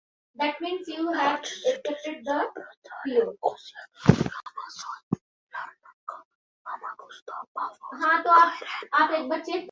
The largest cities in Cyprus are Nicosia, Limassol, Larnaca, Famagusta, Paphos and Kyrenia.